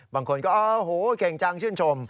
บางคนก็เก่งจังชื่นชม